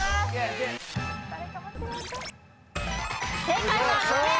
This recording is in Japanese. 正解は「け」。